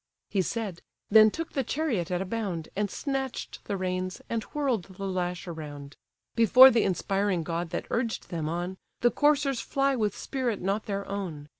He said, then took the chariot at a bound, And snatch'd the reins, and whirl'd the lash around: Before the inspiring god that urged them on, The coursers fly with spirit not their own.